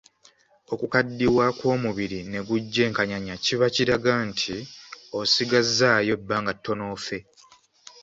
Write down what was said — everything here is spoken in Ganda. Okukaddiwa kw’omubiri ne gujja enkanyanya kiba kiraga nti osigazzaayo ebbanga ttono ofe.